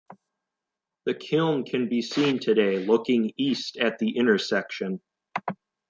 The kiln can be seen today looking east at the intersection.